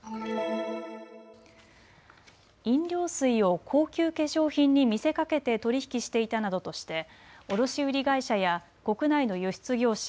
飲料水を高級化粧品に見せかけて取り引きしていたなどとして卸売り会社や国内の輸出業者